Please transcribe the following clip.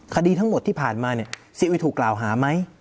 คดีทั้งหมดที่ผ่านมาเนี่ยซีอุยถูกกล่าวหาไหม